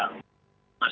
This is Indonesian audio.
karena juga memang